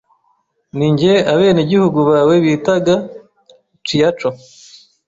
Ninjye abenegihugu bawe bitaga Ciacco